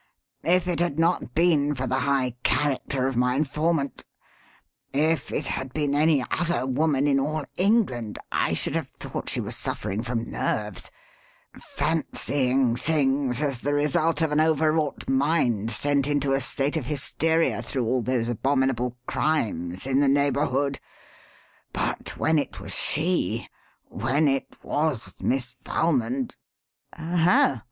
If it had not been for the high character of my informant; if it had been any other woman in all England I should have thought she was suffering from nerves fancying things as the result of an overwrought mind sent into a state of hysteria through all those abominable crimes in the neighbourhood; but when it was she, when it was Miss Valmond " "Oho!"